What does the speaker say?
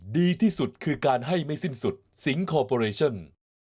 ดีที่สุดคือการให้ไม่สิ้นสุดสิงคอร์ปอเรชั่น